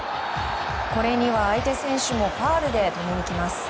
これには相手選手もファウルで止めにきます。